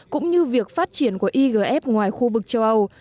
cũng như việc phát triển của igf ngoài khu vực châu âu